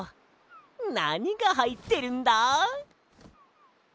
なにがはいってるんだ？